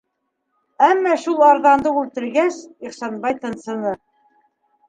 Әммә шул арҙанды үлтергәс, Ихсанбай тынсыны.